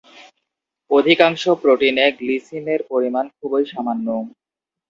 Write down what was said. অধিকাংশ প্রোটিনে গ্লিসিনের পরিমাণ খুবই সামান্য।